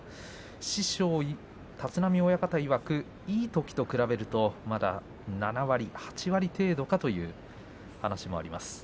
師匠の立浪親方いわくいいときと比べるとまだ７割８割程度かという話もあります。